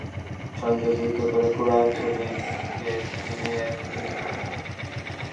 দেশব্যাপী ছড়িয়ে থাকা গোত্রগুলোর সঙ্গে যুদ্ধ করে পুরো অঞ্চলকে তিনি একীভূত করেন।